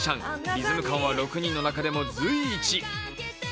リズム感は６人の中でも随一。